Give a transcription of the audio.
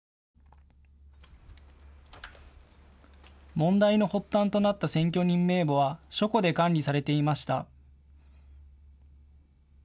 問題の発端となった選挙人名簿は書庫で管理されていました。